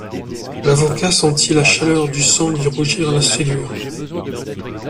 L'avocat sentit la chaleur du sang lui rougir la figure.